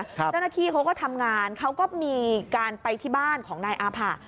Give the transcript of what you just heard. เจ้าหน้าที่เขาก็ทำงานเขาก็มีการไปที่บ้านของนายอาผะ